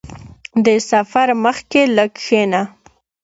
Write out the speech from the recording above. • د سفر مخکې لږ کښېنه.